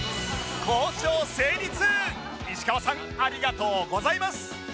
石川さんありがとうございます！